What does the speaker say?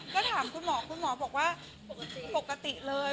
ก็ถามคุณหมอคุณหมอบอกว่าปกติเลย